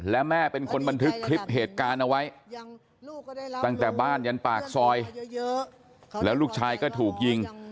และแม่เป็นคนบันทึกคลิปเหตุการณ์เอาไว้ตั้งแต่บ้านยันปากซอยเยอะแล้วลูกชายก็ถูกยิง